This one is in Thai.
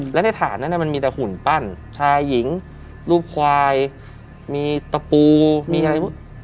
และในฐานนั้นมันมีแต่หุ่นปั้นชายหญิงรูปควายมีตะปูมีอะไร